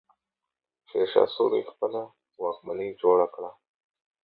شېرشاه سوري خپله واکمني جوړه کړه.